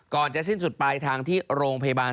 ก่อนจะสิ้นสุดไปทางที่โรงพยาบาล